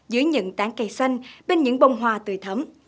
dưới những tán cây xanh bên những bông hoa tươi thấm